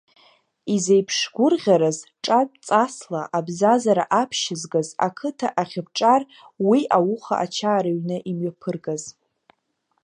Изеиԥш гәырӷьарааз ҿатә ҵасла абзазара аԥшьызгаз ақыҭа ахьыбҿар уи ауха Ачаа рыҩны имҩаԥыргаз!